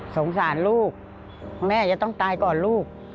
สงสารลูกแม่จะต้องตายก่อนลูก